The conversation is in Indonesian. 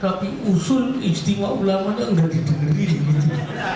tapi usul istimewa ulamanya enggak di dunia ini